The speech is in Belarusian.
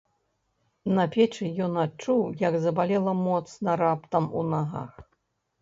На печы ён адчуў, як забалела моцна раптам у нагах.